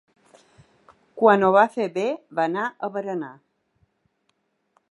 Quan ho va fer va anar a berenar